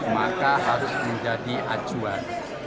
maka harus menjadi acuan